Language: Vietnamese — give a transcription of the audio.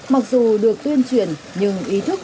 mặc dù được tuyên truyền nhưng ý thức